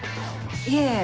いえ